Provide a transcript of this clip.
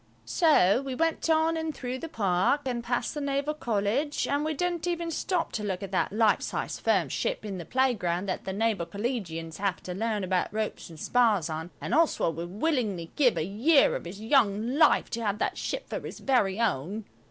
So we went on and through the Park and past the Naval College, and we didn't even stop to look at that life sized firm ship in the playground that the Naval Collegians have to learn about ropes and spars on, and Oswald would willingly give a year of his young life to have that ship for his very own.